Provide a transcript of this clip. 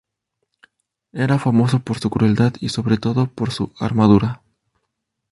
Era famoso por su crueldad y sobre todo por su armadura.